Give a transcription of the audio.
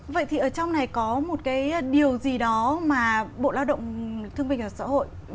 vậy thì ở trong này có một cái điều gì đó mà bộ lao động thương binh và xã hội